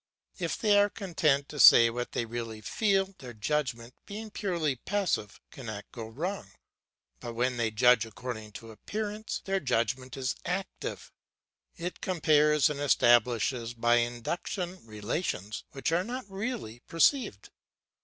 If they are content to say what they really feel, their judgment, being purely passive, cannot go wrong; but when they judge according to appearances, their judgment is active; it compares and establishes by induction relations which are not really perceived.